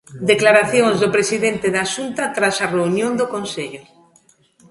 Declaracións do presidente da Xunta tras a reunión do Consello.